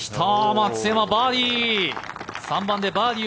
松山、バーディー。